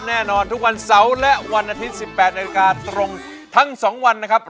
แน่นอนทุกวันเสาร์และวันอาทิตย์๑๘นาฬิกาตรงทั้ง๒วันนะครับ